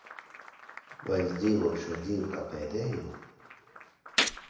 Vai es dzīvoju šo dzīvi kā pēdējo?